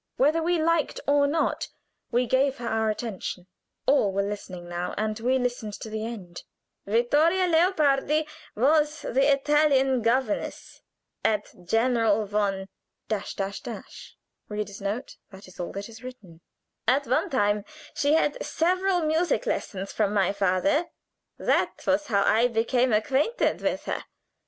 Whether we liked or not we gave her our attention. All were listening now, and we listened to the end. "Vittoria Leopardi was the Italian governess at General von 's. At one time she had several music lessons from my father. That was how I became acquainted with her.